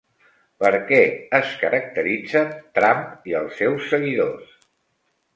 Per què es caracteritzen Trump i els seus seguidors?